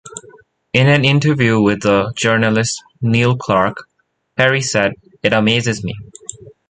In an interview with the journalist Neil Clark, Perry said: It amazes me.